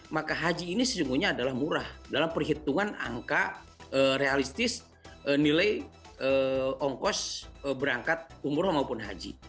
maka haji ini sesungguhnya adalah murah dalam perhitungan angka realistis nilai ongkos berangkat umroh maupun haji